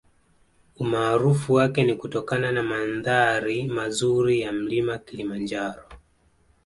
Umaarufu wake ni kutokana na mandhari mazuri ya mlima Kilimanjaro